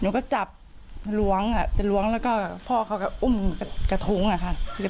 หนูก็จับจะล้วงจะล้วงแล้วก็พ่อเขาก็อุ้มกระทุ้งอะค่ะ